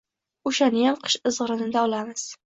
O‘shaniyam qish izg‘irinida olamiz.